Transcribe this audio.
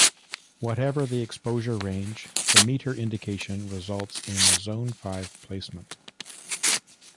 Whatever the exposure range, the meter indication results in a Zone Five placement.